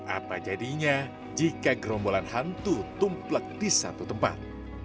apa jadinya jika gerombolan hantu tumplek di satu tempat